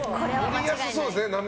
塗りやすそうですね。